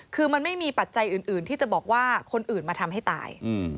คือมันไม่มีปัจจัยอื่นที่จะบอกว่าคนอื่นมาทำให้ตาย